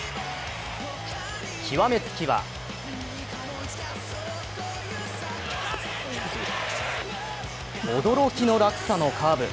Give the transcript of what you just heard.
極めつきは驚きの落差のカーブ。